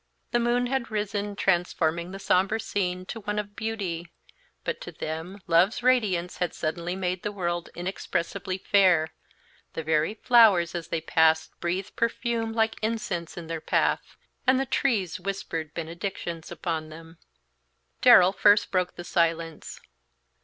The moon had risen, transforming the sombre scene to one of beauty, but to them Love's radiance had suddenly made the world inexpressibly fair; the very flowers as they passed breathed perfume like incense in their path, and the trees whispered benedictions upon them. Darrell first broke the silence.